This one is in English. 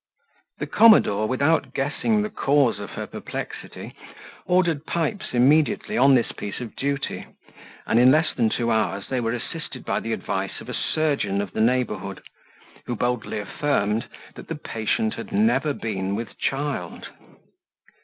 The commodore, without guessing the cause of her perplexity, ordered Pipes immediately on this piece of duty, and in less than two hours they were assisted by the advice of a surgeon of the neighbourhood, who boldly affirmed that the patient had never been with child.